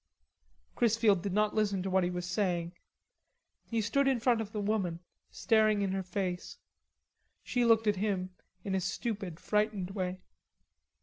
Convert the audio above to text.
Chrisfield did not listen to what he was saying. He stood in front of the woman, staring in her face. She looked at him in a stupid frightened way.